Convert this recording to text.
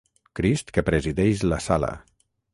Crist que presideix la sala.